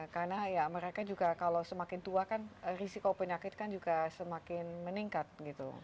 karena ya mereka juga kalau semakin tua kan risiko penyakit kan juga semakin meningkat gitu